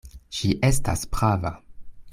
Ŝi estas prava.